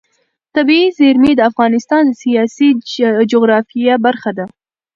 طبیعي زیرمې د افغانستان د سیاسي جغرافیه برخه ده.